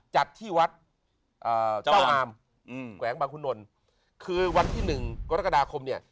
จัดที่วัดเจ้าอามแขวงบางคุณนลคือวันที่หนึ่งกรกฎาคมเนี่ย